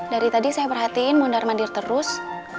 dari tadi saya perhatiin mundar mandir terus